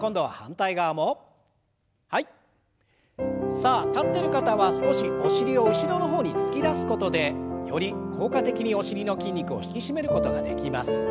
さあ立ってる方は少しお尻を後ろの方に突き出すことでより効果的にお尻の筋肉を引き締めることができます。